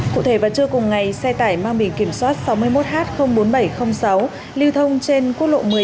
cụ thể vào trưa cùng ngày xe tải mang biển kiểm soát sáu mươi một h bốn nghìn bảy trăm linh sáu lưu thông trên quốc lộ một mươi năm